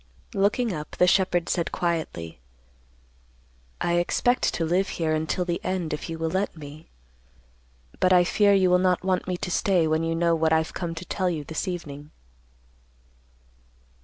Looking up, the shepherd said quietly, "I expect to live here until the end if you will let me. But I fear you will not want me to stay when you know what I've come to tell you this evening."